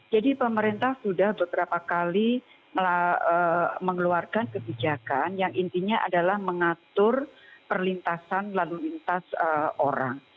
jadi pemerintah sudah beberapa kali mengeluarkan kebijakan yang intinya adalah mengatur perlintasan lalu lintas orang